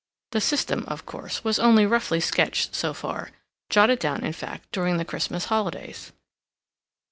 The system, of course, was only roughly sketched so far—jotted down, in fact, during the Christmas holidays.